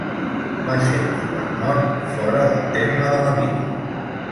Va ser trobat mort fora del terme de la vila.